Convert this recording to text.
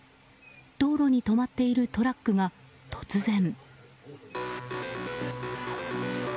道路に止まっているトラックが突然。